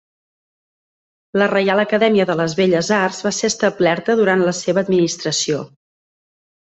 La Reial Acadèmia de les Belles Arts va ser establerta durant la seva administració.